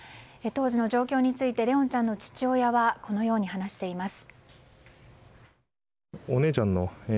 当時の状況について怜音ちゃんの父親はこのように話しています。